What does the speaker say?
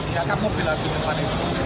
tidak ada mobil lagi depan